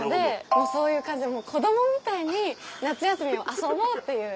もうそういう感じで子供みたいに夏休みを遊ぼうという。